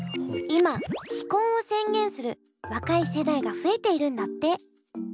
今非婚を宣言する若い世代が増えているんだって。